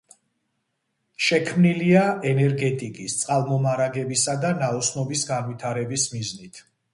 შექმნილია ენერგეტიკის, წყალმომარაგებისა და ნაოსნობის განვითარების მიზნით.